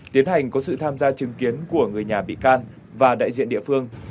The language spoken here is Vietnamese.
tiến hành có sự tham gia chứng kiến của người nhà bị can và đại diện địa phương